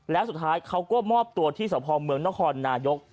แล้วสุดท้ายเขาก็มอบตัวที่สพเมืองนครนายก